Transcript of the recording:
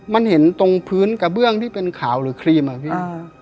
มันเห็นตรงพื้นกระเบื้องที่เป็นขาวหรือครีมอะพี่